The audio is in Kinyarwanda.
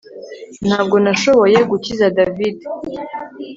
Ntabwo nashoboye gukiza David